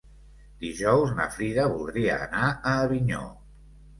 Dijous na Frida voldria anar a Avinyó.